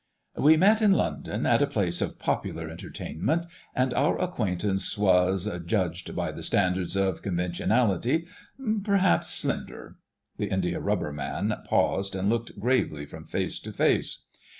"We met in London, at a place of popular entertainment, and our acquaintance was, judged by the standards of conventionality, perhaps slender." The Indiarubber Man paused and looked gravely from face to face.